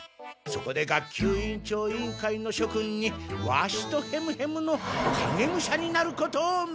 そこで学級委員長委員会のしょくんにワシとヘムヘムの影武者になることを命ずる。